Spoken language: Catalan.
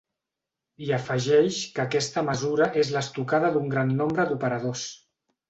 I afegeix que aquesta mesura és l’estocada d’un gran nombre d’operadors.